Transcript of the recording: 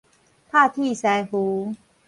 拍鐵師傅